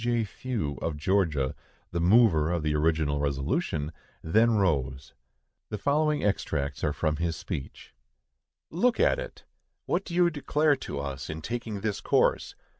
J. Few, of Georgia, the mover of the original resolution, then rose. The following are extracts from his speech. The Italics are the writers. Look at it! What do you declare to us, in taking this course?